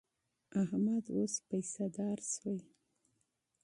احمد اوس پیسهدار شوی.